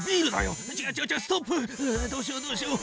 どうしようどうしよう。